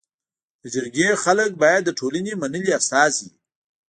د جرګي خلک باید د ټولني منلي استازي وي.